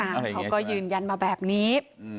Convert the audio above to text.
เขาก็ยืนยันมาแบบนี้